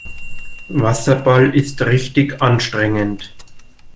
Wasserball ist richtig anstrengend.